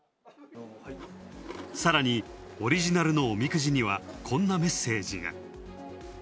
さらにオリジナルのおみくじには、こんなメッセージが。